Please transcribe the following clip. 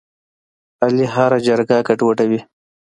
علي هره جرګه ګډوډوي.